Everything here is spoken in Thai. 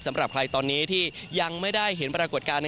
สำหรับใครตอนนี้ที่ยังไม่ได้เห็นปรากฏการณ์